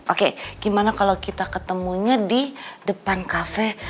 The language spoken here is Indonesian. oke gimana kalau kita ketemunya di depan kafe